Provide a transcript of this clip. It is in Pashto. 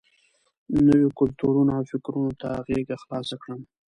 نویو کلتورونو او فکرونو ته غېږه خلاصه کړم.